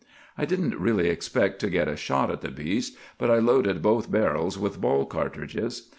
"I didn't really expect to get a shot at the beast, but I loaded both barrels with ball cartridges.